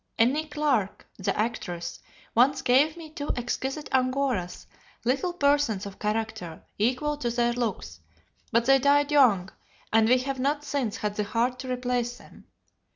Annie Clarke [the actress] once gave me two exquisite Angoras, little persons of character equal to their looks; but they died young and we have not since had the heart to replace them.